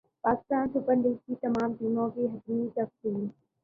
Pakistan super league کی تمام ٹیموں کی حتمی تفصیل